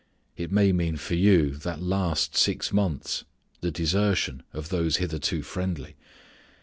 It may mean for you that last six months the desertion of those hitherto friendly.